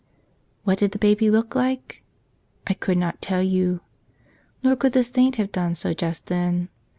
What did the Babe look like? I could not tell you. Nor could the saint have done so just then.